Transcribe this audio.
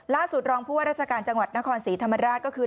ล่าสุดรองพูดรัชกาลจังหวัดนคร๔ถามรัฐก็คือ